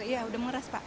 ya udah meras pak